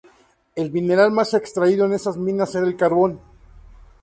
El mineral más extraído en esas minas era el carbón.